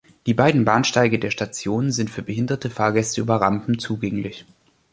Die beiden Bahnsteige der Station sind für behinderte Fahrgäste über Rampen zugänglich.